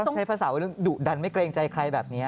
ต้องใช้ภาษาไว้เรื่องดุดันไม่เกรงใจใครแบบเนี้ย